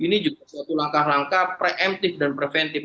ini juga suatu langkah langkah preventif dan pre emptive